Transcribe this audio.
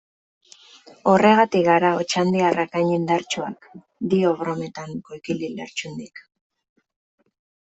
Horregatik gara otxandiarrak hain indartsuak, dio brometan Koikili Lertxundik.